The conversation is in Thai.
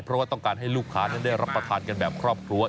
เพราะว่าต้องการให้ลูกค้านั้นได้รับประทานกันแบบครอบครัว